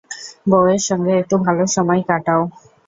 বৌয়ের সঙ্গে একটু ভালো সময় কাটাও।